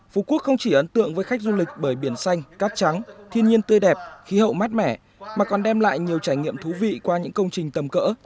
phú quốc không chỉ ấn tượng với khách du lịch bởi biển xanh cát trắng thiên nhiên tươi đẹp khí hậu mát mẻ mà còn đem lại nhiều trải nghiệm thú vị qua những công trình tầm cỡ